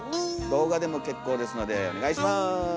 動画でも結構ですのでお願いします。